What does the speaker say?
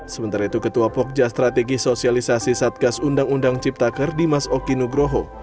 sementara itu ketua pogja strategi sosialisasi satgas undang undang cipta kerja di denpasar bali senin siang